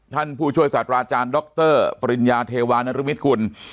ท่านผู้ช่วยสตราจารย์ดรปริญญาเทวานรมิตคุณ